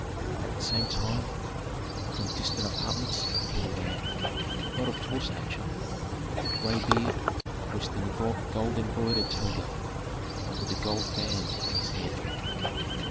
At the same time from distant apartments appeared a man, not of tall stature, with gray beard, dressed in a gold embroidered toga, and with a gold band on his head.